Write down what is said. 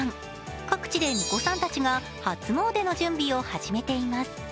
各地でみこさんたちが初詣の準備を始めています。